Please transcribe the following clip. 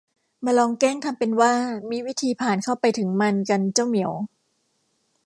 มาลองแกล้งทำเป็นว่ามีวิธีผ่านเข้าไปถึงมันกัน เจ้าเหมียว